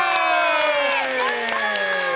やったー！